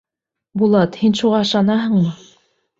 Булат, һин шуға ышанаһыңмы?